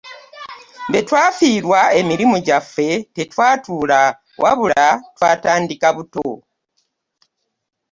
Bwe twafiirwa emirimu gyaffe tetwatuula wabula twatandika buto.